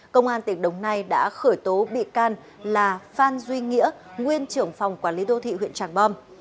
công an tỉnh đồng nai đã khởi tố bị can là phan duy nghĩa nguyên trưởng phòng quản lý đô thị huyện tràng bom